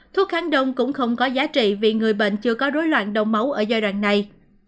thuốc kháng đông cũng không có giá trị vì người bệnh chưa có rối loạn đông máu ở giai đoạn này